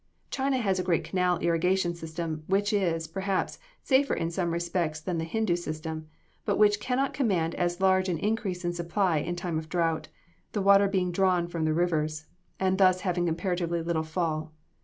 China has a great canal irrigation system, which is, perhaps, safer in some respects than the Hindoo system, but which can not command as large an increase of supply in time of drought, the water being drawn from the rivers, and thus having comparatively little fall.